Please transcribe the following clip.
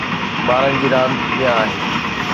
ٻارن جي راند دنيا آهي